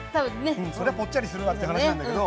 そりゃぽっちゃりするわって話なんだけど。